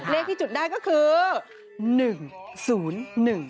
เลขที่จุดได้ก็คือ๑๐๑